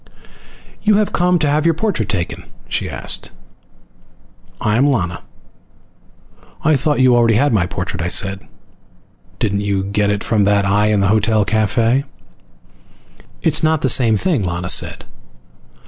"You have come to have your portrait taken?" she asked. "I am Lana." "I thought you already had my portrait," I said. "Didn't you get it from that eye in the hotel cafe?" "It's not the same thing," Lana said.